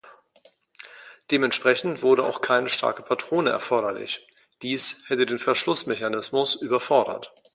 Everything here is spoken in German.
Dementsprechend wurde auch keine starke Patrone erforderlich; dies hätte den Verschlussmechanismus überfordert.